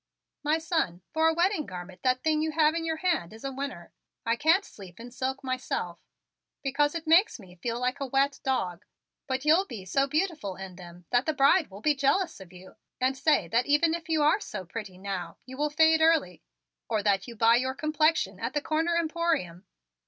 My son, for a wedding garment that thing you have in your hand is a winner. I can't sleep in silk myself because it makes me feel like a wet dog, but you'll be so beautiful in them that the bride will be jealous of you and say that even if you are so pretty now you will fade early or that you buy your complexion at the corner emporium.